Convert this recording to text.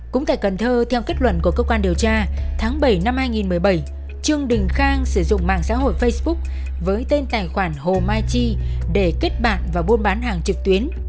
cũng tại cần thơ theo kết luận của cơ quan điều tra tháng bảy năm hai nghìn một mươi bảy trương đình khang sử dụng mạng xã hội facebook với tên tài khoản hồ mai chi để kết bạn và buôn bán hàng trực tuyến